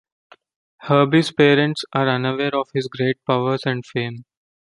Herbie's parents are unaware of his great powers and fame.